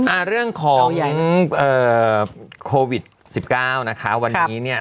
อ่าเรื่องของโควิด๑๙นะคะวันนี้เนี่ย